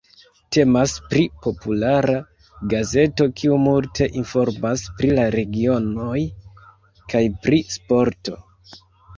Temas pri populara gazeto kiu multe informas pri la regionoj kaj pri sporto.